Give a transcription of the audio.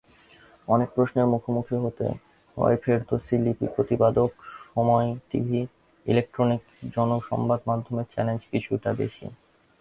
অনেক প্রশ্নের মুখোমুখি হতে হয়ফেরদৌস লিপি, প্রতিবেদক, সময় টিভিইলেকট্রনিক সংবাদমাধ্যমে চ্যালেঞ্জ কিছুটা বেশি।